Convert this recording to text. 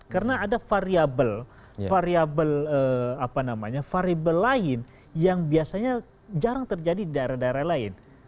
karena ada variable lain yang biasanya jarang terjadi di daerah daerah lain